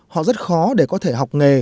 họ rất khó để có thể học nghề